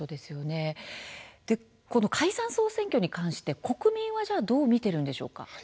解散総選挙に関して国民はどう見ているんでしょうか。